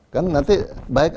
kan nanti baik